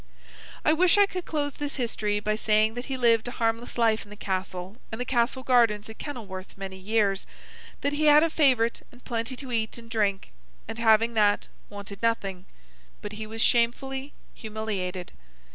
I wish I could close his history by saying that he lived a harmless life in the Castle and the Castle gardens at Kenilworth, many years—that he had a favourite, and plenty to eat and drink—and, having that, wanted nothing. But he was shamefully humiliated.